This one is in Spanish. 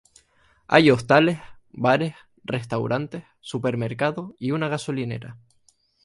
Hay hostales, bares, restaurantes, supermercado y una gasolinera.